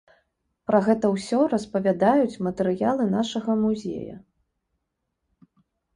Пра ўсё гэта распавядаюць матэрыялы нашага музея.